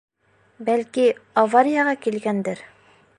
Бәлки, аварияға килгәндер.